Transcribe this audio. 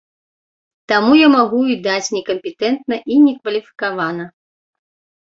Таму я магу іх даць некампетэнтна і некваліфікавана.